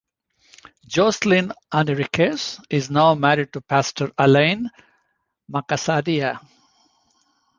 Jocelyn Enriquez is now married to Pastor Alain Macasadia.